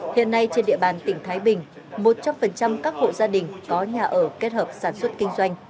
hiện nay trên địa bàn tỉnh thái bình một trăm linh các hộ gia đình có nhà ở kết hợp sản xuất kinh doanh